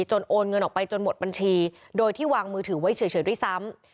โอนเงินออกไปจนหมดบัญชีโดยที่วางมือถือไว้เฉยด้วยซ้ำ